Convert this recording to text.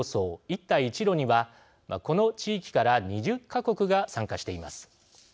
一帯一路には、この地域から２０か国が参加しています。